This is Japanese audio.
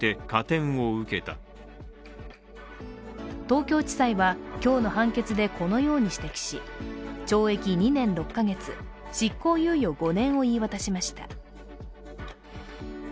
東京地裁は今日の判決でこのように指摘し懲役２年６カ月、執行猶予５年を言い渡しました。